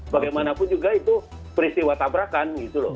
bagaimanapun juga itu peristiwa tabrakan